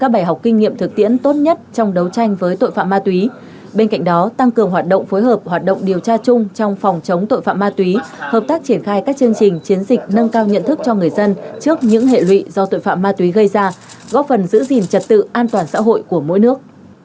bên cạnh đó tăng cường hoạt động phối hợp hoạt động điều tra chung trong phòng chống tội phạm ma túy hợp tác triển khai các chương trình chiến dịch nâng cao nhận thức cho người dân trước những hệ lụy do tội phạm ma túy gây ra góp phần giữ gìn trật tự an toàn xã hội của mỗi nước